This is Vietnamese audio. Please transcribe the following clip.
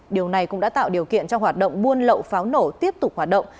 điều này cũng đã tạo điều kiện cho hoạt động buôn lậu pháo nổ tiếp tục hoạt động